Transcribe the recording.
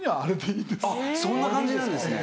そんな感じなんですね。